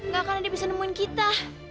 gak akan ada bisa nemuin kita